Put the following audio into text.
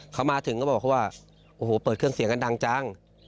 เขามาถึงก็บอกเขาว่าโอ้โหเปิดเครื่องเสียงกันดังจัง